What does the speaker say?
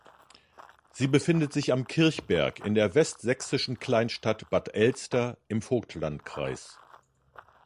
Sie befindet sich am Kirchberg in der westsächsischen Kleinstadt Bad Elster im Vogtlandkreis.